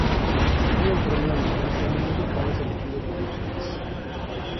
Solo el premio al mejor tema musical es elegido por los fans.